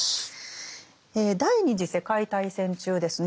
第二次世界大戦中ですね